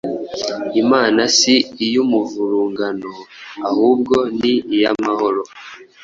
Imana si iy’umuvurungano, ahubwo ni iy’amahoro.